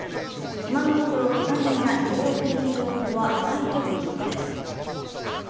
今のところ、けが人や逃げ遅れの情報はないということです。